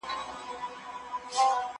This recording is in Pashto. زه به سبا نان وخورم!!